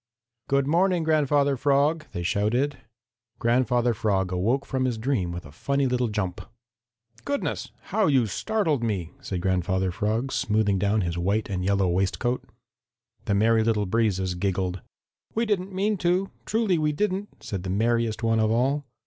"Good morning, Grandfather Frog!" they shouted. Grandfather Frog awoke from his dream with a funny little jump. "Goodness, how you startled me!" said Grandfather Frog, smoothing down his white and yellow waistcoat. The Merry Little Breezes giggled. "We didn't mean to, truly we didn't," said the merriest one of all.